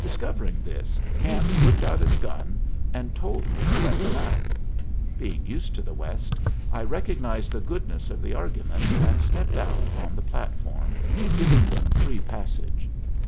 Discovering this, Camp whipped out his gun, and told me to let them out. Being used to the West, I recognized the goodness of the argument and stepped out on the platform, giving them free passage.